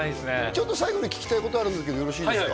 ちょっと最後に聞きたいことあるんだけどよろしいですか？